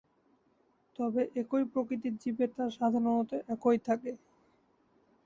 তবে একই প্রকৃতির জীবে তা সাধারণত একই থাকে।